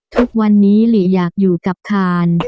ทุกวันนี้หลีอยากอยู่กับคาน